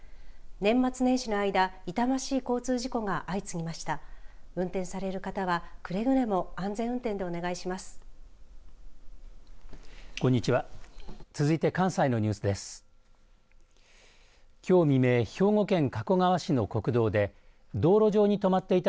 年末年始の間、痛ましい交通事故が相次ぎました。